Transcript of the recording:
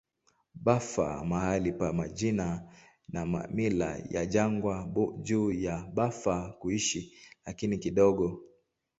Bafur mahali pa majina na mila ya jangwa juu ya Bafur kuishi, lakini kidogo.